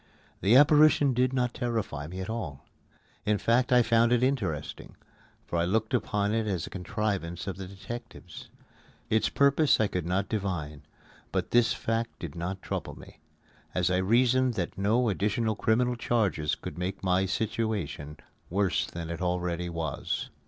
The apparition did not terrify me at all. In fact I found it interesting, for I looked upon it as a contrivance of the detectives. Its purpose I could not divine, but this fact did not trouble me, as I reasoned that no additional criminal charges could make my situation worse than it already was.